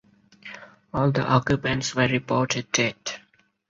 All the occupants were reported dead.